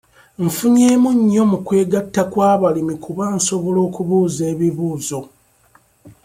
Nfunyemu nnyo mu kwegatta kw'abalimi kuba nsobola okubuuza ebibuuzo.